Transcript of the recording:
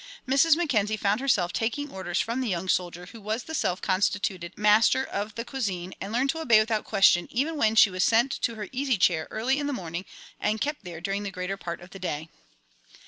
Mrs. Mackenzie found herself taking orders from the young soldier who was the self constituted master of the cuisine, and learned to obey without question, even when she was sent to her easy chair early in the morning and kept there during the greater part of the day.